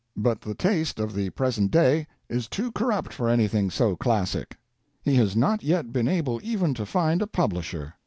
But the taste of the present day is too corrupt for anything so classic. He has not yet been able even to find a publisher.